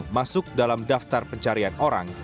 masuk dalam daftar pencarian orang